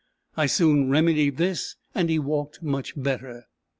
I soon remedied this, and he walked much better.